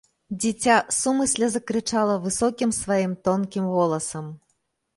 Дзіця сумысля закрычала высокім сваім тонкім голасам.